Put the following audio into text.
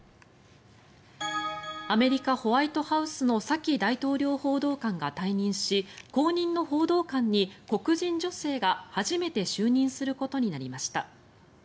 アメリカ・ホワイトハウスのサキ大統領報道官が退任し後任の報道官に黒人女性が初めて就任することになりました。